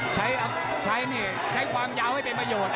ใช้ไปใช้ความยาวให้มีประโยชน์